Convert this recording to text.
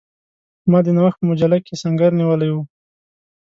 ما د نوښت په مجله کې سنګر نیولی وو.